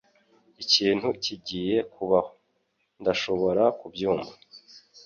Ikintu kigiye kubaho. Ndashobora kubyumva.